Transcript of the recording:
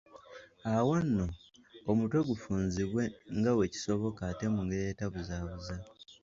Awo nno, omutwe gufunzibwe nga bwe kisoboka ate mu ngeri atebuzaabuza.